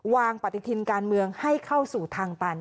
วางปฏิทินการเมืองให้เข้าสู่ทางตัน